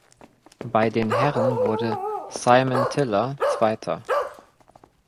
Bei den Herren wurde Simen Tiller Zweiter.